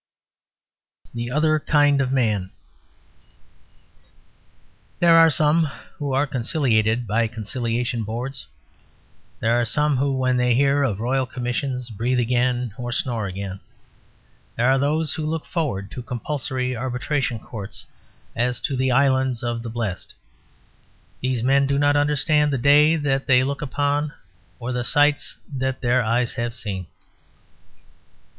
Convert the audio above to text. THE OTHER KIND OF MAN There are some who are conciliated by Conciliation Boards. There are some who, when they hear of Royal Commissions, breathe again or snore again. There are those who look forward to Compulsory Arbitration Courts as to the islands of the blest. These men do not understand the day that they look upon or the sights that their eyes have seen.